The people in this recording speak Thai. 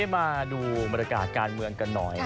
มาดูบรรยากาศการเมืองกันหน่อย